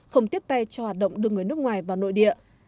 không tiếp tay cho hoạt động đưa người nước ngoài vào nội địa